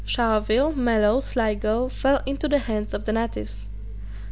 Charleville, Mallow, Sligo, fell into the hands of the natives.